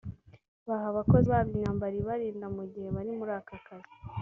baha abakozi babo imyambaro ibarinda mu gihe bari muri aka kazi